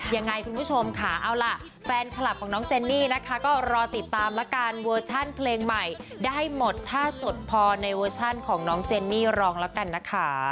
ยังไงคุณผู้ชมค่ะเอาล่ะแฟนคลับของน้องเจนนี่นะคะก็รอติดตามละกันเวอร์ชั่นเพลงใหม่ได้หมดถ้าสดพอในเวอร์ชันของน้องเจนนี่รองแล้วกันนะคะ